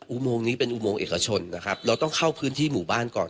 อุโมงนี้เป็นอุโมงเอกชนนะครับเราต้องเข้าพื้นที่หมู่บ้านก่อน